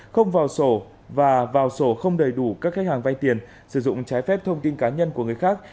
không vào sổ và vào sổ không đầy đủ các khách hàng vay tiền sử dụng trái phép thông tin cá nhân của người khác